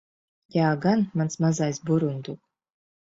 Jā gan, mans mazais burunduk.